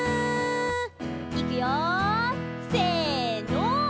いくよせの。